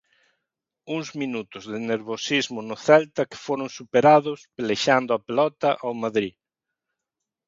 Uns minutos de nerviosismo no Celta que foron superados pelexando a pelota ao Madrid.